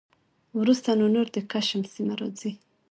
وروسته نو نور د کشم سیمه راخي